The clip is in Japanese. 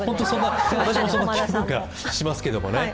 私もそんな気分がしますけどね。